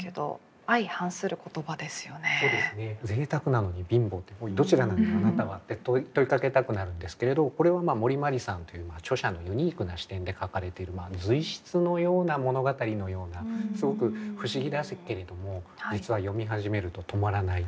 贅沢なのに貧乏どちらなのあなたはって問いかけたくなるんですけれどこれは森茉莉さんという著者のユニークな視点で書かれている随筆のような物語のようなすごく不思議ですけれども実は読み始めると止まらない